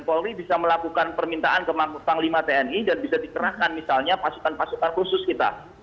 polri bisa melakukan permintaan ke panglima tni dan bisa dikerahkan misalnya pasukan pasukan khusus kita